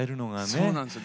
そうなんですよ。